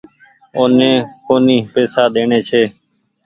اوني ڪونيٚ پئيسا ڏيڻي ڇي۔